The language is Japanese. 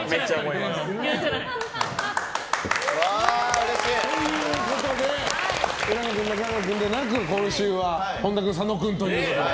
うれしい！ということで浦野君、中川君でなく、今週は本田君、佐野君ということで。